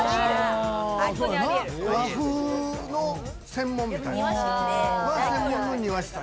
和風の専門みたいな。